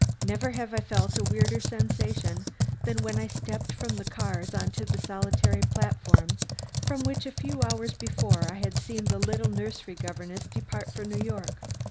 Never have I felt a weirder sensation than when I stepped from the cars on to the solitary platform from which a few hours before I had seen the little nursery governess depart for New York.